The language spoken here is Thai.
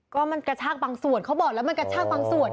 ก็มันกระชากบางส่วนเขาบอกแล้วมันกระชากบางส่วน